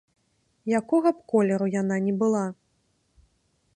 Якога б колеру яна ні была.